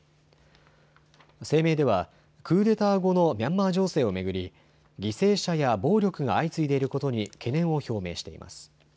声明ではクーデター後のミャンマー情勢を巡り犠牲者や暴力が相次いでいることに懸念を表明しています。